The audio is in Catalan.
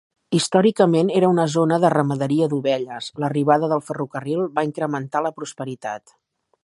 Històricament era una zona de ramaderia d'ovelles, l'arribada del ferrocarril va incrementar la prosperitat.